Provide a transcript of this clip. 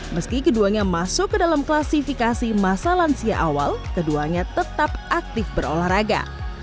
meski keduanya masuk ke dalam klasifikasi masa lansia awal keduanya tetap aktif berolahraga